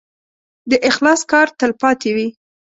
د اخلاص کار تل پاتې وي.